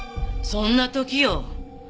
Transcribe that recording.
そんな時よ。